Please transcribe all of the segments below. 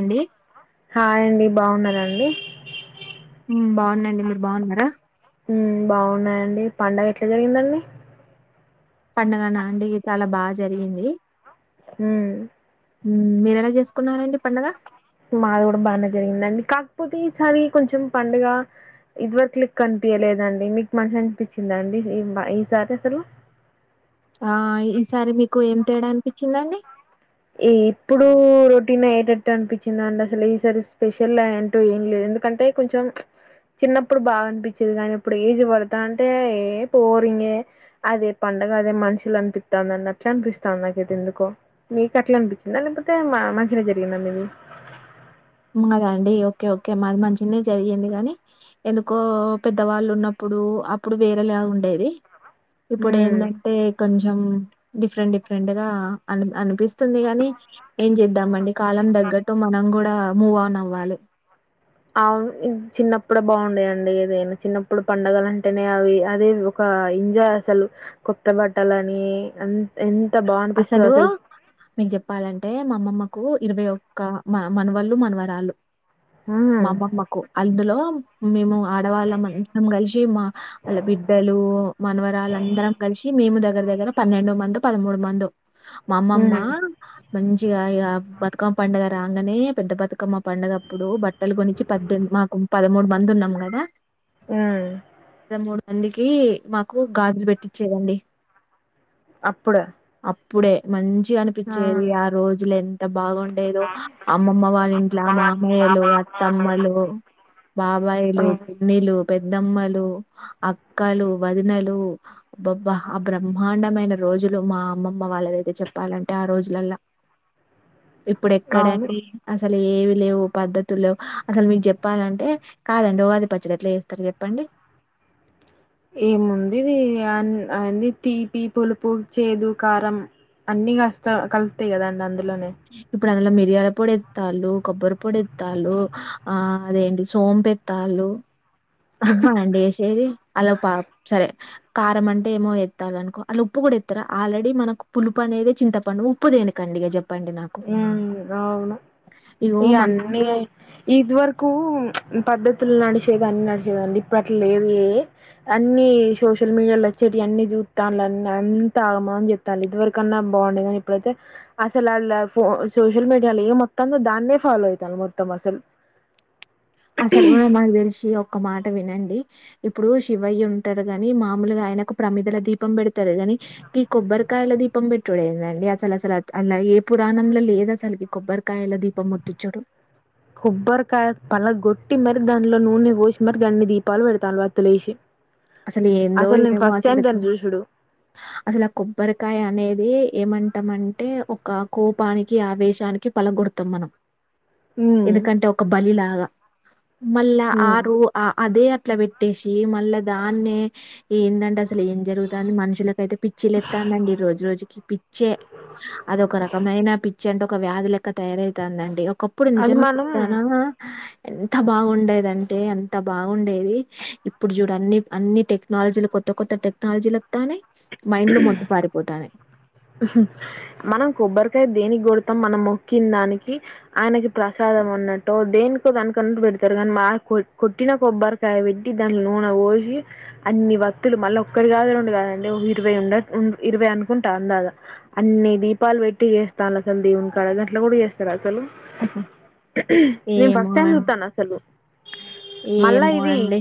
అండి. హాయండి బావున్నరా అండి. మ్ బావున్నండి మీరు బావున్నరా? హ్మ్ బావున్నయండి పండగ ఎట్ల జరిగిందండి. పండగనా అండి చాలా బా జరిగింది. హ్మ్ హ్ మీరెలా చేస్కున్నారండి పండగ. మాది గుడా బానే జరిగిందండి. కాక్పోతే ఈసారి కొంచం పండగా ఇది వరక్ లెక్క అన్పియలేదండి. మీకు మంచిగ అన్పించిదా అండి ఇ మ ఈసారి అసలు ఆ ఈసారి మీకు ఏం తేడా అన్పించిందండి. ఇ ఇప్పుడూ రొటీన్ అయ్యేటట్టే అన్పించిందండి అసల్ ఈసారి స్పెషల్ అంటూ ఏం లేద్ ఎందుకంటే కొంచెం చిన్నప్పుడు బాగా అనిపించేది గానీ ఇప్పుడు ఏజ్ పడ్తాంటే ఏ పోరింగే అదే పన్ డగా అదే మనుషుల్ అన్పితాంద్ అన్నట్లు అనిపిస్తాంది నాకైతే ఎందుకో మీకట్ల అనిపించిందా లేకపోతే మా మంచిగనే జరిగిందా మీది? మాద అండి ఓకే ఓకే మాది మంచిగనే జరిగింది గనీ ఎందుకో పెద్దవాళ్ళు ఉన్నప్పు ఇప్పుడు అప్పుడు వేరేలా ఉండేది. ఇప్పుడు హ్మ్. ఏందంటే కొంచెం డిఫరెంట్ డిఫరెంట్ గా అ అని అనిపిస్ తుంది గాని ఏం చేద్దామండి కాలం తగ్గట్టు మనం గూడా మూవ్ ఆన్ అవ్వాలి అవున్ చిన్నప్పుడే బావుండేదండి ఏదైనా చిన్నప్పుడు పండగలంటేనే అవి అది ఒక ఆ ఎంజాయ్ అసలు కొత్త బట్టలని అన్ ఎన్ అసలు మేం జెప్పాలంటే మా అమ్మమ్మ కూ ఇరవై ఒక్క మా మనవళ్లు, మనవరాళ్ళు హ్మ్. మా అమ్మమ్మకు అందులో మేము ఆడవాళ్ళం అందరం కలిసి మా హా ఆళ్ల బిడ్డలు మనవరాళ్ల అందరం కలిసి మేము దగ్గర దగ్గర పన్నెండు మందో పదమూడు మందో మా అమ్మమ్మా హ్మ్. మంచిగా ఇగా బతుకమ్మ పండుగ రాంగానే పెద్ద బతుకమ్మ పండుగప్పుడు బట్టలు గొనిచ్చి పద్దెంది మాకు పదమూడు మంది ఉన్నం గదా ఉమ్ అందికి మాకు గాజులు బెట్టించేదండి అప్పుడ అప్పుడే మంచ్ చీగా అనిపించేది ఆ రోజులెంత బాగుండేదో అమ్మమ్మ వాళ్ళ ఇంట్ల మామయ్యలు అత్ తమ్మలు బాబాయిలు హ్మ్ పిన్నిలు పెద్ ద్దమ్మలు అక్కలు వదినలు అబబ్బ ఆ బ్రహ్మాండమైన రోజుల్ లో మా అమ్మమ్మ వాళ్ళదైతే చెప్పాలంటే ఆ రోజులల్ల అవును ఇప్పుడెక్కడండి అసల్ అసల్ ఏవి లేవు పద్ధతుల్ లేవ్ అసల్ మీక్ జెప్పాలంటే కాదండి ఉగాది పచ్చడి ఎట్లా చేస్తారు చెప్పండి ఏముందిది అన్ అనీ తీపి పులుపు చేదు కారం అన్నీ గస్తా కల్తాయ్ గదండి అందులోనే ఇప్పుడందల మిరియాల పొడి ఎత్తాలు కొబ్బరి పొడి ఎత్తాలు ఆ అదేంటి సోంపు ఎత్తాలు లు గివ్వా అండి ఏసేది అలా పాప్ సరే కారం అంటే ఏమో ఎత్తాలనుకో అల్లుప్పు కూడా ఏత్తరా ఆల్రెడీ మనకు పులుపనేదే చింతపండు ఉప్పు దేనికండి ఇగ జెప్ ఉమ్ అవును ఇగో ఇగ మన అనిగా ఇద్ వరకు పద్ధత్ తుల్ నడిసేగన్ నడిసేవండి ఇప్పట్లేవీ ఏ అన్నీ సోషల్ మీడియాలో వచ్చేటియాన్ని జు జుతాల్ అన్ అంతా ఆగమన్ జేత్తాల్లు ఇదివరకన్నా బావుండే గాని ఇప్పుడైతే అసలల్ ఫో సోషల్ మీడియాలో ఏంవొత్తన్దో దాన్నే ఫాలో అయితాళ్లు మొత్తం అసల్ అసల్ మనక మాక్ దెల్సి ఒక్క మాట వినండి ఇపుడు శివయ్య ఉంటడు గాని మామూలుగా ఆయనకు ప్రమీదల దీపం బెడతరే గని గీ కొబ్బరికాయల దీపం బెట్టుడెందండి అసల్ అసల్ అత్ అల్ల ఏ పురాణంల లేదు అసలుకి కొబ్బరికాయల దీపం ముట్టిచ్చుడు కొబ్బరికాయ పలగొట్టి మరి దండ్లో నూనె పోసి మరి గన్ని దీపాలు పెడతాళ్లు వత్తులేసి అసలేందో అసలు నేను ఏమో ఫస్ట్ టైం అసలుకి దాన్ని చూసుడు అసలు ఆ కొబ్బరికాయ అనేది ఏమంటం అంటే ఒక కోపానికి ఆవేశానికి పలగొడతం మనం ఉమ్ ఎందుకంటే ఒక బలిలాగా మళ్ళా ఉమ్ ఆరు ఆ అదే ఆక్ ట్ల వెట్టేసి మళ్ళ దాన్నే ఈ ఏందండ్అసల్ అసలేం జరుగుతంది మనుషులకైతే పిచ్చిలెత్తాందండి రోజు రోజుకి పిచ్ చ్చే అదొ ఒక రకమైన పిచ్చి అంటే ఒక వ్యాధి లెక్క తయారైతాందండి ఒక్ కప్పుడు అది నిజంగా మనం చెప్తానా ఎంత బాగుండేదంటే అంత బాగుండేది ఇప్పుడు జూడన్నీ అన్నీ టెక్నాలజీల్ కొత్త కొత్త టెక్నాలజీలక్ మనం కొబ్బరికాయ దేనికిగొడతాం మనం మొక్కిన దానికి ఆయనకి ప్రసాదం ఉన్నట్టో దేనికో దానికన్నట్టు బెడ్తారు మనమా కో కొట్టిన కొబ్బరికాయ పెట్టీ దాన్లో నూనె పోసి అని వత్తులు మళ్ళీ ఒకటి కా కాళీ గుండు గదే లెవ్ ఇరవై ఉండచ్ ఉండ్ ఇరవై అనుకుంటా అందదా అన్నీ దీపాలు వెట్టి జేస్తాల్ అసల్ దేవున్కి గట్లగూడా చేస్తార అసలు నేను ఏమో ఫస్ట్ టైమ్ అం జూత్తాన్న అసలు ఏమో అండీ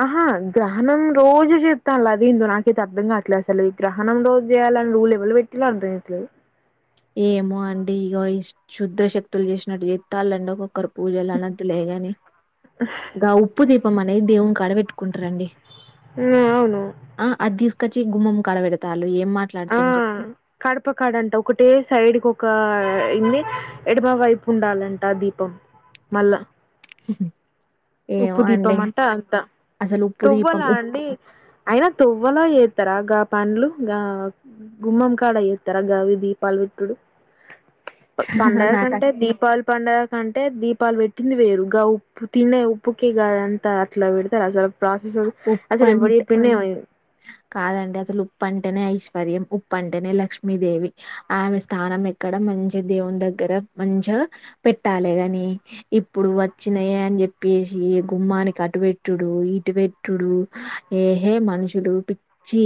ఆహా గ్రహణం రోజు జేత్తాళ్లు అదేందో నా ఇది అర్ధం గట్లే అసల్ ఇ గ్రహణం రోజ్ చేయాలని రూల్ ఎవలు పెట్టిలో అర్ధం అయితలేదు ఏమో అండి ఇగో ఈ శుద్దా శక్తులు చేసినట్టు జెత్తాలండి ఒకొక్కరు పూజలు అన్నదిలేగని గ ఉప్పు దీపం అనేది దేవునీకాడ బెట్టుకుంటారండి ఉమ్ అవును కచి గుమ్మం కాడబెడతాలు ఏం ఆ! మాట్లాడతాన్ చెప్పు కడప కాడంట. ఒకటే సైడ్కి ఒక ఇన్ని ఎడమ వైపు ఉండాలంట దీపం మళ్ళా ఉప్పు ఏమో దీపం అండి అంట అంత అసలు ఉప్పు దీపం తోవ్వలా ఉప్పు అండి అయినా తొవ్వలో జేత్తరా గా పన్లు గా గుమ్మం కాడ జేత్తరా గావి దీపాలు బెట్టుడు పండగ నాకు కంటే దీపాల్ పండగ కంటే దీపాల్ పెట్టింది వేరు గా ఉప్పు తినే ఉప్ పుకి గదంతా అట్లా వెడతార అస ఉప్పు అంటే ఇది. కాదండి అసలు ఉప్పు అంటేనే ఐష్ పర్యం ఉప్పంటేనే లక్ష్మీదేవి ఆమె స్థానం ఎక్కడ మంచి దేవుని దగ్గర మంచి అ పెట్టాలేగని ఇప్పుడు వచ్చినయ అని చెప్పేసి గుమ్మానికి అటు పెట్టు డు ఇటు వెట్ టుడు ఏహే మనుషులు పిచ్చి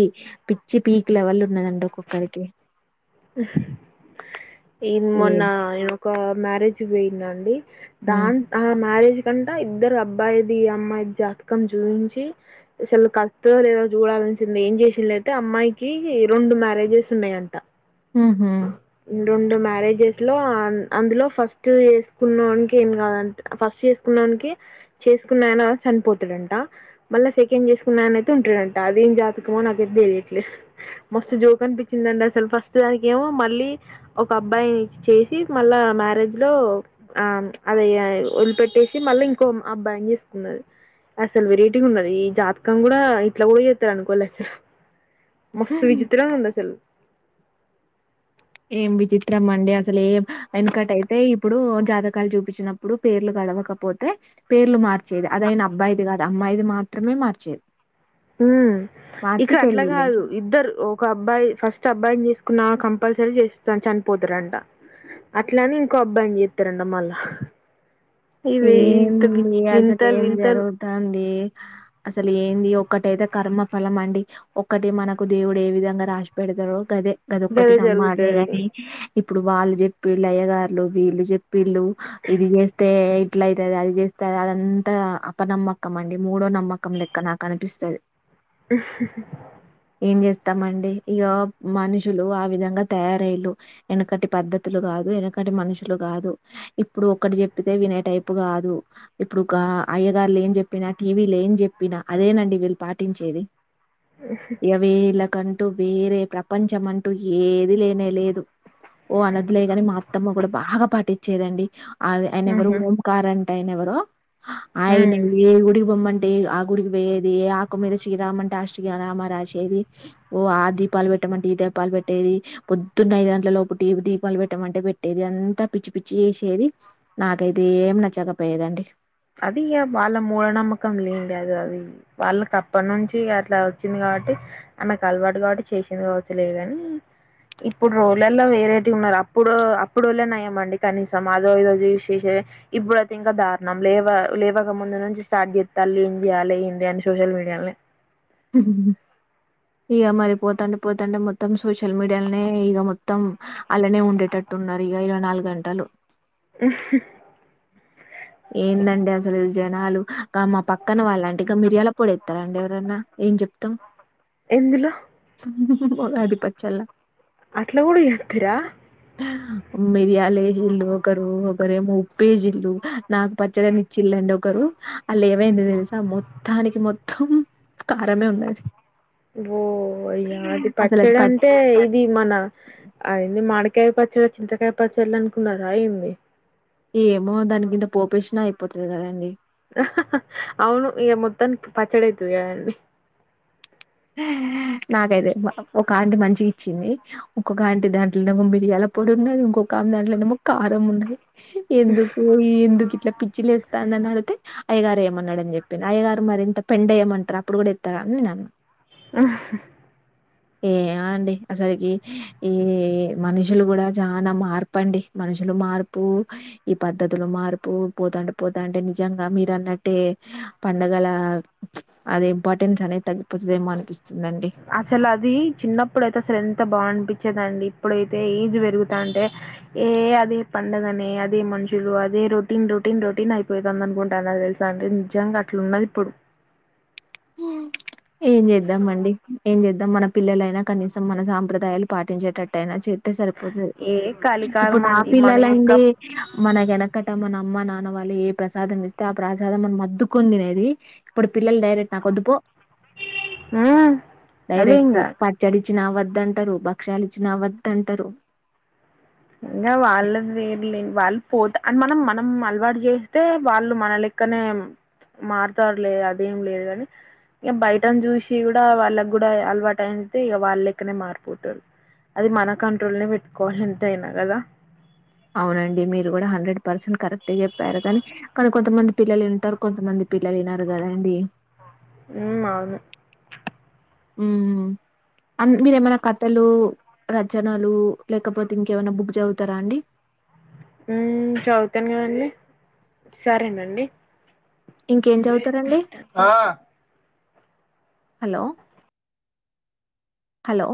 పిచ్చి పీక్ లెవెల్ ఉన్నదండి ఒక్కొక్కరికి ఈన్ ఏ మొన్నా నేనొక మ్యారేజ్క్ పోయిన్నండి హ్మ్ దాన్ ఆ మ్యారేజ్ కంట ఇద్దరు అబ్బాయిది అమ్మాయిది జాతకం జూయించి అసలు కల్త్ లేదో జూడాల చం ఏం చేసిళ్లంటే అమ్మాయికి రెండు మ్యారేజెస్ ఉన్నాయంట హ్మ్ హు రెండు మ్యారేజెస్ లో అ అందులో ఫస్ట్ చేసుకున్నోనికి ఏం కాదంట ఫస్ట్ చేసుకున్న న్నోనికి చేసుకున్నాయిన చనిపోతాడంట మళ్లా సెకండ్ చేసుకున్నాయినయితే ఉంటాడంట అదేం జా జాతకమో నాకైద్దెలియట్లే మస్తు జోక్ అనిపించిందండి అసలు ఫస్ట్ దానిక్ ఏమో మళ్ళీ ఒక అబ్బాయిని చేసి మళ్ళా మ్యారేజ్ లో ఆ అదే వదిలిపెట్టేసి మళ్ళీ ఇంకో అబ్బాయిని చేస్కున్నది అసలు వెరేటీగున్నది ఈ జాతకం గూడా ఇట్లా గూడా జేత్తరు అనుకోలె అసల్ మస్త్ విచిత్రంగ ఉందసల్ ఏం విచిత్రమండి అసలు ఏమ్ వెనకటయితే ఇప్పుడు జాతకాలు చూపిచ్చినప్పుడు పేర్లు గ అడవకపోతే పేర్లు మార్చేది అదైన అబ్బాయిది కాదు అమ్మాయిది మాత్రమే మార్చేది హ్మ్ మార్చి ఇక్కడ అట్లా పెళ్ళిళ్ళు గాదు ఇద్దరు ఒక అబ్బాయి ఫస్ట్ అబ్బాయిని చేసుకున్నాక కంపల్సరి జస్ చనిపోతారంట అట్లని ఇంకో అబ్బాయిని చెత్తరండ మళ్ళా ఇవి ఇంత వి ఏంది అసలు వింతలు ఏం వింతలు జరుగుతాంది అసలు ఏంది ఒక్కటైతే కర్మఫలం అండి ఒక్కటి మనకు దేవుడు ఏ విధంగా రాసి పెడతారో గదే గది ఒక్కటి గదే జరుగుతది. నమ్మాలెగాని ఇప్పుడు వాళ్ళు చెప్పి లయ్య గారులు వీళ్ళు చెప్ ప్పిల్లు ఇది జేస్తే ఇట్ల అయితది అది జెస్తే అదంతా అపనమ్మకం అండి మూడో నమ్మకం లెక్క నాకు అనిపిస్తది ఏం చేస్తామండి ఇగ మనుషులు ఆ విధంగా తయారయిల్లు యెనకటి పద్ధతులు గాదు వెనుకటి మనుషులు గాదు ఇప్పుడు ఒక్కటి చెప్పితే వినేటైప్ ప్పు గాదు ఇప్పుడు గా అయ్యగార్లు ఏం జెప్పినా టీవీల ఏం జెప్పినా అదేనండి వీళ్ళు పాటించేది ఇగ వీళ్ళకన్ టూ వేరే ప్రపంచం అంటూ ఏది లేనే లేదు ఓ అనద్దులేగాని మా అత్తమ్మ గూడా బాగా పాటిచ్చేదండి. అదె ఆయన ఎవరు హుహు. ఓంకార అంట ఆయన ఎవరో ఆయన హ్మ్. ఏ గుడికి బొమ్మంట్ టే ఆ గుడికి పోయేది ఏ ఆకు మీద శ్రీరామ్ అంటే ఆ శ్రీరామా రాసేది ఓ ఆ దీపాలు పెట్టి పెట్టమంటే ఈ దీపాలు పెట్టేది పొద్దున్న ఐదు గంటల లోపు టీ దీపాలు పెట్టమంటే పెట్టేది అంతా పిచ్చి పిచ్చి చేసేది నాకైతే ఏం నచ్చకపోయేదండి. అది ఇగ వాళ్ళ మూఢనమ్మకం లేండి అదు అది వాళ్ళకి అప్పటి నుంచి అట్లా వచ్చింది కాబ ట్టి ఆమెకు అలవాటు కాబట్టి చేసింది కావచ్చు లేగాని ఇప్పుడు రోలల్లో వేరైటీగ ఉన్నారు అప్పుడు అప్పుడోళ్ళే నయ్యమండి కనీసం అదో ఇదో చూసి చే ఇప్పుడైతే ఇంకా దారుణం లేవ లేవక ముందు నుంచి స్టార్ట్ చేత్తాళ్ళూ ఏం చేయాలి ఏంది అని సోషల్ మీడియాల్నే ఉహుహుమ్ ఇగ మరి పోతంటే పోతంటే మొత్తం సోషల్ మీడియాల్నే ఇగ మొత్తం అల్లనే ఉండేటట్టు ట్టున్నారు ఇక ఇరవై నాలుగంటలు ఉహ్మ్ ఏందండి అసలు ఈ జనాలు క మా పక్కన వాళ్ళంటి ఇంక మిరియాల పొడి ఎతరాండి ఎవరన్నా ఏం చెప్తాం ఎందులో ఉగాది పచ్చల అట్ల కూడ చెప్తిర మిరియాలేచిల్లు ఒకరు ఒకరేమొ ఉప్పెసిల్లు నాకు పచ్చడని ఇచ్చిల్ళండి ఒకరు అళ్ళ ఏమైందొ తెలుసా మొత్తానికి మొత్తం కారమే ఉన్నది ఓ అయ్యా అది అసలు పచ్చడి పట్టి అంటే ఇది మన అ ఏంది మాడి కాయ పచ్చడ చింతకాయ పచ్చళ్ళు అనుకున్నరఏంది ఏమో దానికింత పోపేశినా అయిపోతది కదండి అవును ఇగ మొత్తానికి పచ్చడైతది కదండి నాకైతే ఒక ఆంటి మంచిగిచ్చింది ఒక్కొక ఆంటి దాంట్లనెమో మిరియాల పొడి ఉన్నది ఇంకొక ఆమెదాంట్లోనేమొ కారం ఉన్నది ఎందుకు ఎందుకిట్ల పిచ్చిలేస్థాంది అనిఅడుగుతే అయ్యగారు ఏయమన్నడని చెప్పిండు అయ్యగారు మరింత పెండ ఏయమంటారు అప్పుడు గుడ ఏత్తరా అని నేను అన్నా ఆహా ఏమొ అండి అసలికి ఈ మనుషులు కూడా చానా మార్పండి మనుషులు మార్పు ఈ పద్ధతులు మార్పు పోతాంటె పోతాంటె నిజంగా మీరు అన్నట్టే పండగలా అదె ఇంపార్టెన్స్ అనేది తగ్గిపోతదేమో అనిపిస్త అసలు అది చిన్నప్పుడైతే అసలు ఎంత బాగనిపించేదండి ఇప్పుడైతే ఏజ్ పెరుగుతాంటే ఏ అదే పండగనే అదే మనుషులు అదే రొటీన్ రో టీన్ రొటీన్ అయిపోయేది అందన్గుండాలి నాకు తెలుసా అంటే నిజంగా అట్లున్నది ఇప్పుడు ఉమ్ ఏం చేద్దాంమండి ఏం చేద్దాం మన పిల్లలైనా కనీసం మన సాంప్రదాయాలు పాటించేటట్టాయినా చేస్తె సరి పోతది ఏ కలికాలం ఇప్పుడు ఆ అండి మన యొక్క పిల్లలండి మన వెనకట మన అమ్మ నాన్న వాళ్ళు ఏ ప్రసాదం ఇస్తే ఆ ప్రసాదం మనమద్దుకొని తినేది ఇప్పుడు పిల్లలు డైరెక్ట్ నాకొద్దుపో మ్మ్ అదే డైరెక్టు ఇంగా పచ్చడి ఇచ్చినా వద్దంటారు భక్షాలు ఇచ్చినా వద్దంటరు ఇంగ వాళ్ళది వేర్లే వాళ్ళు పోత అని మనం మనం అలవాటు చేస్తే వాళ్ళు మన లెక్కనే మారుతారు లే అదేం లేదు అని ఇగ బయటని చూసి కూడా వాళ్ళకి కూడా అలవాటు అయితే ఇగ వాళ్ళ లెక్కనే మారిపోతారు అది మన కంట్రోల్నే పెట్టుకోవాలి ఎంతయినా కదా అవునండి మీరు కూడా హండ్రెడ్ పర్సెంట్ కరెక్ట్ చెప్పారు కానీ కానీ కొంతమంది పిల్లలు వింటారు కొంతమంది పిల్లలు ఇనరు కదండి ఉమ్ అవును ఉమ్ అ మీరు ఏమైనా కథలు రచనలు లేకపోతే ఇంకేమైనా బుక్ చదువుతారా అండి బ్లాంక్ హ్మ్ చదువుతాన్ కానీ సరేనండి ఇంకేం చదువుతారండి హలో హల్లో